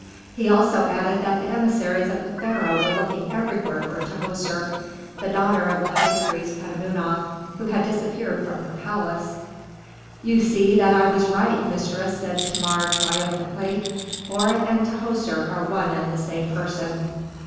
He also added that the emissaries of the Pharaoh were everywhere looking for Tahoser, the daughter of the high priest Petamounoph, who had disappeared from her palace. "You see that I was right, mistress," said Thamar, triumphantly. "Hora and Tahoser are one and the same person."